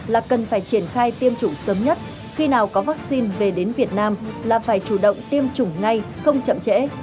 là cần phải triển khai tiêm chủng sớm nhất khi nào có vaccine về đến việt nam là phải chủ động tiêm chủng ngay không chậm trễ